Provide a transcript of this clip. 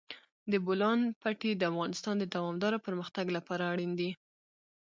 د بولان پټي د افغانستان د دوامداره پرمختګ لپاره اړین دي.